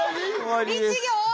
１行！？